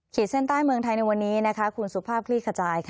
เส้นใต้เมืองไทยในวันนี้คุณสุภาพคลี่ขจาย